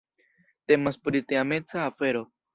Temas pri teameca afero.